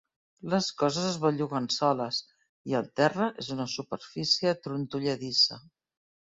Les coses es belluguen soles i el terra és una superfície trontolladissa.